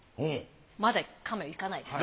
まだカメオいかないです。